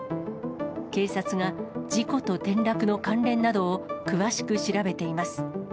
警察が事故と転落の関連などを詳しく調べています。